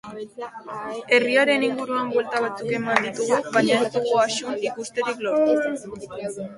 Herriaren inguruan buelta batzuk eman ditugu, baina ez dugu Axun ikusterik lortu.